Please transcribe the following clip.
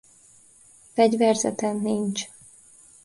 Fegyverzete nincs.